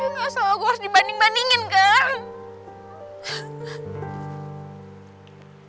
nggak salah gue harus dibanding bandingin kan